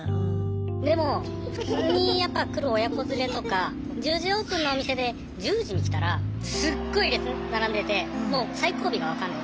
でも普通にやっぱ来る親子連れとか１０時オープンのお店で１０時に来たらすっごい列並んでてもう最後尾が分かんない。